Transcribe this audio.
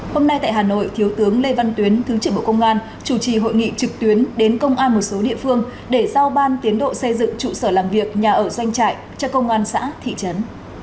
hôm nay tại hà nội thiếu tướng lê văn tuyến thứ trưởng bộ công an chủ trì hội nghị trực tuyến đến công an một số địa phương để giao ban tiến độ xây dựng trụ sở làm việc nhà ở doanh trại cho công an xã thị trấn